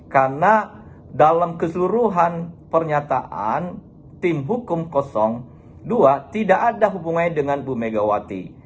karena dalam keseluruhan pernyataan tim hukum dua tidak ada hubungannya dengan ibu megawati